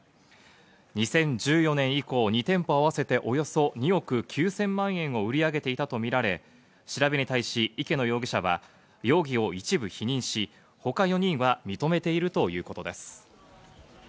２０１４年以降、２店舗あわせておよそ２億９０００万円を売り上げていたとみられ、調べに対し池野容疑者は容疑を一部否認し、ほか４人は認めているということです。